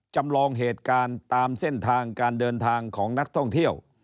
จำลองเหตุการณ์ตามเส้นทางการเดินทางของนักท่องเที่ยว